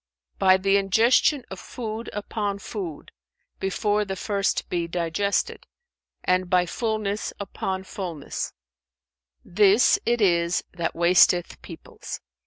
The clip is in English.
"By the ingestion of food upon food, before the first be digested, and by fullness upon fullness; this it is that wasteth peoples.